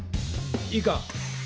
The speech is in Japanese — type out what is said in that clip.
⁉いいか。